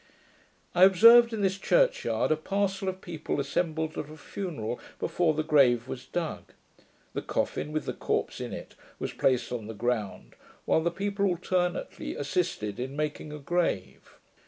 I observed, in this church yard, a parcel of people assembled at a funeral, before the grave was dug. The coffin, with the corpse in it, was placed on the ground, while the people alternately assisted in making a grave.